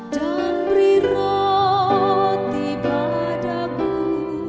dan beri roti padamu